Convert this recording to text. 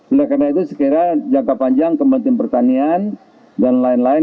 oleh karena itu sekiranya jangka panjang kementerian pertanian dan lain lain